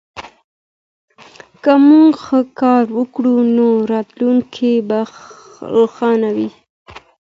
که موږ ښه کار وکړو نو راتلونکی به روښانه وي.